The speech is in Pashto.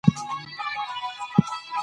زه چېرته لاړشم